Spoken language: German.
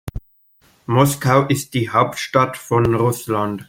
Moskau ist die Hauptstadt von Russland.